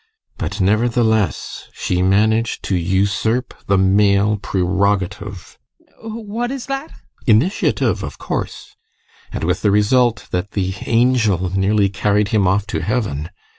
But nevertheless she managed to usurp the male prerogative ADOLPH. What is that? GUSTAV. Initiative, of course. And with the result that the angel nearly carried him off to heaven.